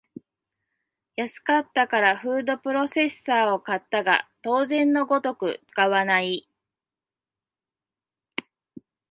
安かったからフードプロセッサーを買ったが当然のごとく使わない